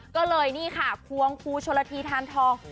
ก็เลยครับปวงครูชะวะธีธานทอง